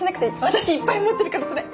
私いっぱい持ってるからそれ。